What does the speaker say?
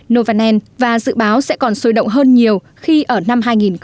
novanen và dự báo sẽ còn sôi động hơn nhiều khi ở năm hai nghìn một mươi bảy